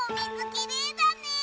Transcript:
きれいだね。